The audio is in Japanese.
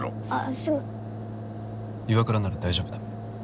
岩倉なら大丈夫だ。